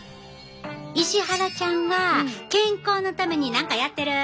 石原ちゃんは健康のために何かやってる？